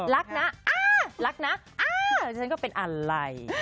รักนะรักนะฉันก็เป็นอะไร